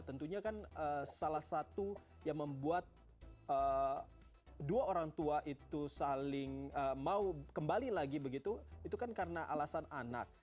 tentunya kan salah satu yang membuat dua orang tua itu saling mau kembali lagi begitu itu kan karena alasan anak